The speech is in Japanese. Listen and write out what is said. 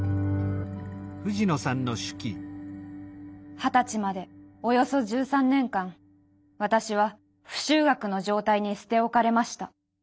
「二十歳までおよそ十三年間私は不就学の状態に捨ておかれました。